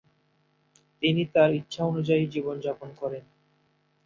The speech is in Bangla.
তিনি তার ইচ্ছানুযায়ী জীবন যাপন করেন।